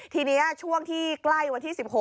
ทีนี้ช่วงที่ใกล้วันที่๑๖